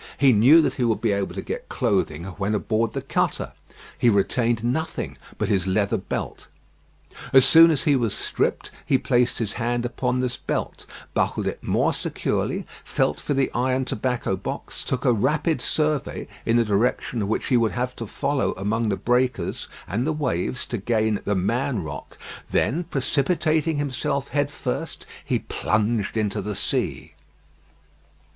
He knew that he would be able to get clothing when aboard the cutter. He retained nothing but his leather belt. As soon as he was stripped he placed his hand upon this belt, buckled it more securely, felt for the iron tobacco box, took a rapid survey in the direction which he would have to follow among the breakers and the waves to gain "the Man Rock;" then precipitating himself head first, he plunged into the sea.